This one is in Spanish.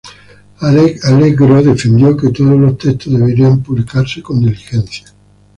Allegro defendió que todos los textos debían publicarse con diligencia.